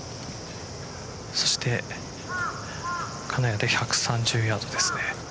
そして金谷で１３０ヤードです。